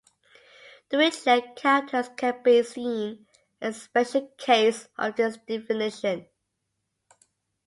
Dirichlet characters can be seen as a special case of this definition.